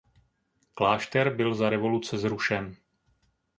Klášter byl za revoluce zrušen.